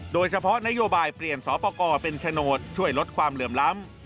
โดยเฉพาะนโยบายเปลี่ยนสอปกรเป็นโฉนดช่วยลดความเหลื่อมล้ำ